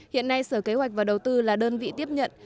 hiện nay sở kế hoạch và đầu tư là đơn vị tiếp nhận